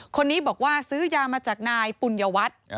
คนนี้บอกว่าซื้อยามาจากนายปุญญวัตร